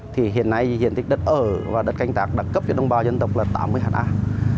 thì hiện nay diện tích đất ở và đất canh tác đã cấp cho đồng bào dân tộc là tám mươi hạt ác